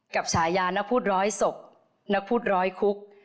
ฉายานักพูดร้อยศพนักพูดร้อยคุก